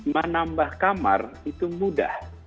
menambah kamar itu mudah